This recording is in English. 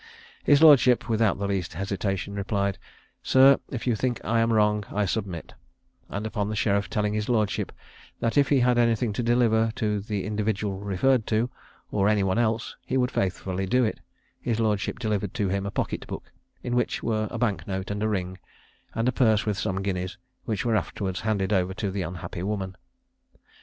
His lordship, without the least hesitation, replied, "Sir, if you think I am wrong, I submit:" and upon the sheriff telling his lordship that if he had anything to deliver to the individual referred to, or any one else, he would faithfully do it, his lordship delivered to him a pocket book, in which were a bank note and a ring, and a purse with some guineas, which were afterwards handed over to the unhappy woman.